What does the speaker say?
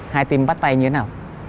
hai team bắt tay như thế nào